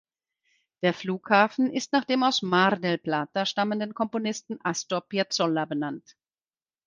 Der Flughafen ist nach dem aus Mar del Plata stammenden Komponisten Astor Piazzolla benannt.